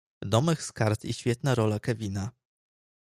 Domek z Kart i świetna rola Kevina.